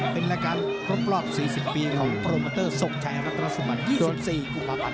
เป็นรายการครบรอบ๔๐ปีของโปรโมเตอร์ทรงชัยรัตนสุบัน๒๔กุมภาพันธ์